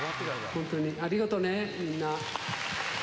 本当にありがとね、みんな。